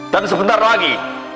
dan sebentar lagi